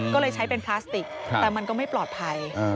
ก็เลยใช้เป็นพลาสติกแต่มันก็ไม่ปลอดภัย